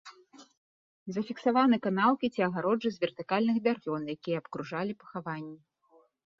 Зафіксаваны канаўкі ці агароджы з вертыкальных бярвён, якія абкружалі пахаванні.